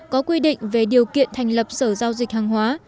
có quy định về điều kiện thành lập sở giao dịch hàng hóa